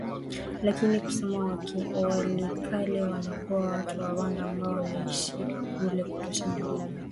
lakini kusema walikale kunakuwa watu wa rwanda ambao wanaishi kule kutosha madini hapana